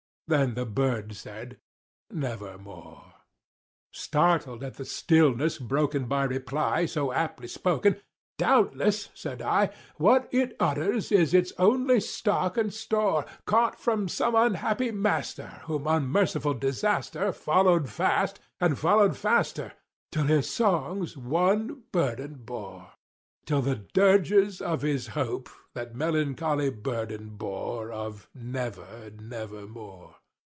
Then the bird said "Nevermore." Startled at the stillness broken by reply so aptly spoken, "Doubtless," said I, "what it utters is its only stock and store Caught from some unhappy master whom unmerciful Disaster Followed fast and followed faster till his songs one burden bore— Till the dirges of his Hope that melancholy burden bore Of 'Never—nevermore.